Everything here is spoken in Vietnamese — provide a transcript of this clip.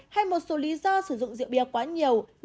hay một số lý do sử dụng rượu bia quá nhiều